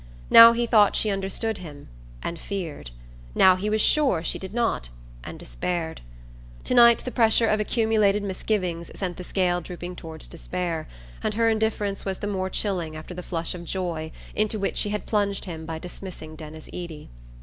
Now he thought she understood him, and feared; now he was sure she did not, and despaired. To night the pressure of accumulated misgivings sent the scale drooping toward despair, and her indifference was the more chilling after the flush of joy into which she had plunged him by dismissing Denis Eady.